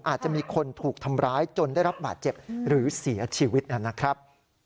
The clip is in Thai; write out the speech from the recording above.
อาจจะมีคนถูกทำร้ายจนได้รับบาดเจ็บหรือเสียชีวิตนะครับ